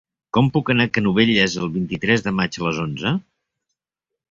Com puc anar a Canovelles el vint-i-tres de maig a les onze?